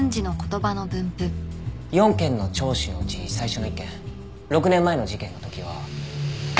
４件の聴取のうち最初の１件６年前の事件の時は。